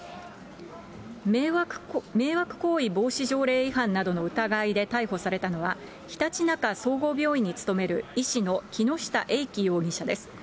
迷惑行為防止条例違反などの疑いで逮捕されたのは、ひたちなか総合病院に勤める、医師の木下瑛貴容疑者です。